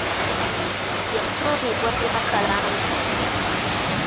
Yatuumibwa lya Kalanzi.